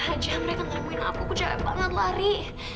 aduh berapa jam mereka ngelakuin aku aku jauh banget lari